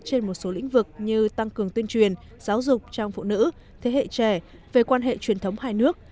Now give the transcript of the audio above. trên một số lĩnh vực như tăng cường tuyên truyền giáo dục trong phụ nữ thế hệ trẻ về quan hệ truyền thống hai nước